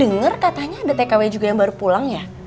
dengar katanya ada tkw juga yang baru pulang ya